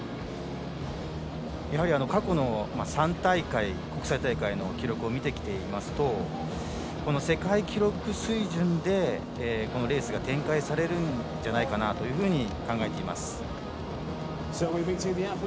やはり過去の３大会国際大会の記録を見てきていますと世界記録水準でレースが展開されるんじゃないかなと考えています。